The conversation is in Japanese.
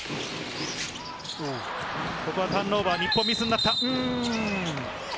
ここはターンオーバー、日本ミスになった。